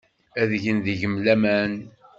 Ad gen deg-m laman.